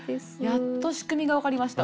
やっと仕組みが分かりました。